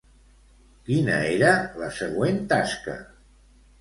Quina era la següent tasca?